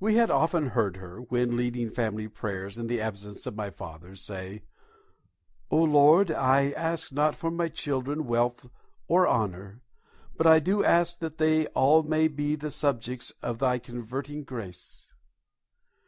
We had often heard her, when leading family prayers in the absence of my father, say, "O Lord, I ask not for my children wealth or honour, but I do ask that they all may be the subjects of Thy converting grace."